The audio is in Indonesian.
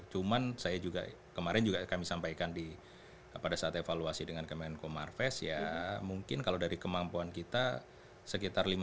cuman saya juga kemarin juga kami sampaikan pada saat evaluasi dengan kemenko marves ya mungkin kalau dari kemampuan kita sekitar lima puluh